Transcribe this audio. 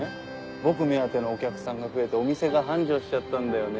僕目当てのお客さんが増えてお店が繁盛しちゃったんだよね。